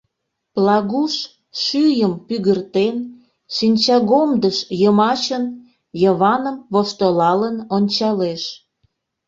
Плагуш, шӱйым пӱгыртен, шинчагомдыш йымачын Йываным воштылалын ончалеш.